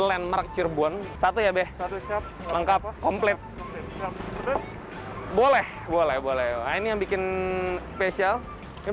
landmark cirebon satu ya beb lengkap komplit boleh boleh boleh ini yang bikin spesial kita